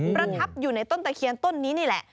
ประทับอยู่ในต้นตะเคียนต้นนี้นี่แหละ